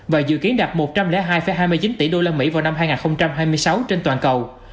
và dự kiến đạt một trăm linh hai hai mươi chín tỷ đô la mỹ vào năm hai nghìn hai mươi sáu trên toàn cầu